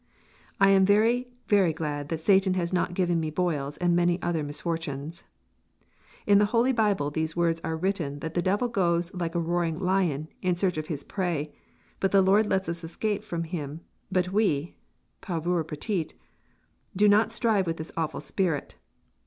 ... I am very very glad that satan has not given me boils and many other misfortunes In the holy bible these words are written that the Devil goes like a roaring lyon in search of his pray but the lord lets us escape from him but we" (pauvre petite!) "do not strive with this awfull Spirit....